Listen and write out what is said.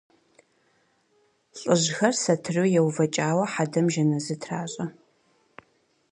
Лӏыжьхэр сатыру еувэкӏауэ хьэдэм жэназы тращӏэ.